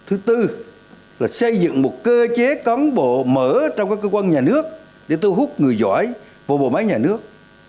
thứ tư là xây dựng một cơ chế cắn bộ mở trong các cơ quan nhà nước để thu hút người giỏi vào bộ máy nhà nước